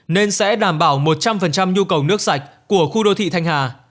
nên sẽ đảm bảo một trăm linh nhu cầu nước sạch của khu đô thị thanh hà